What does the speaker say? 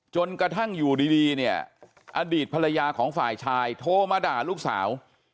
จนกระทั่งอยู่ดีเนี่ยอดีตภรรยาของฝ่ายชายโทรมาด่าลูกสาว